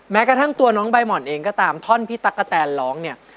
แม้กระทั่งตัวน้องใบหม่อนเองก็ตามท่อนพี่ตั๊กกะแตนร้องเนี่ย